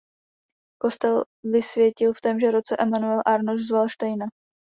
Kostel vysvětil v témže roce Emanuel Arnošt z Valdštejna.